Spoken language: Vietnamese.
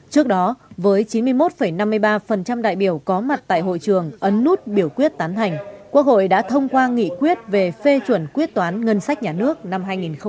trước đó với chín mươi một năm mươi ba đại biểu có mặt tại hội trường ấn nút biểu quyết tán thành quốc hội đã thông qua nghị quyết về phê chuẩn quyết toán ngân sách nhà nước năm hai nghìn một mươi bảy